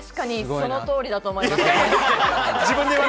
その通りだと思います。